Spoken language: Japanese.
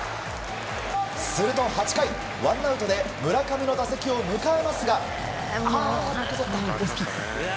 すると、８回ワンアウトで村上の打席を迎えますが。